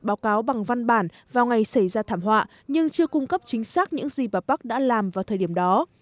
báo cáo bằng văn bản vào ngày xảy ra thảm họa nhưng chưa cung cấp chính xác những gì bà park đã làm vào thời điểm đó